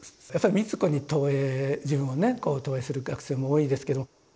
やっぱり美津子に投影自分をねこう投影する学生も多いですけど。